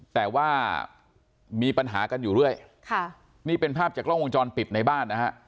แต่ว่ามีปัญหากันอยู่เรื่อยค่ะนี่เป็นภาพจากกล้องวงจรปิดในบ้านนะฮะ